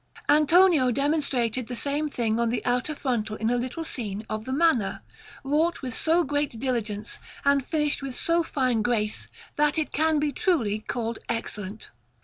Antonio demonstrated the same thing on the outer frontal in a little scene of the Manna, wrought with so great diligence, and finished with so fine grace, that it can be truly called excellent.